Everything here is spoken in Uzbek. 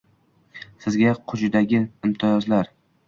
Sizga qujidagi imtijozlar: